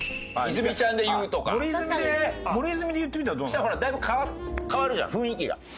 そしたらほらだいぶ変わるじゃん雰囲気が。